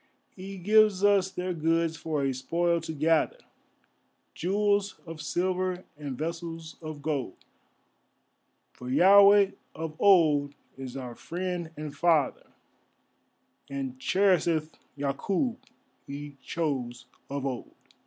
He gives us their goods for a spoil to gather, Jewels of silver, and vessels of gold; For Yahveh of old is our Friend and Father, And cherisheth Yakûb He chose of old.